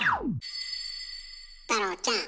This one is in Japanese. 太郎ちゃん。